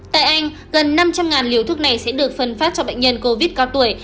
tại anh gần năm trăm linh liều thuốc này sẽ được phân phát cho bệnh nhân covid cao tuổi